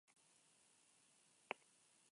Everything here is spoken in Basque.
Baina, eguneroko kontua da.